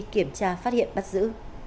kiểm tra phát hiện bắt giữ